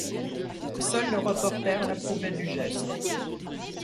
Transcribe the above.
Seul, le reporter l’approuvait du geste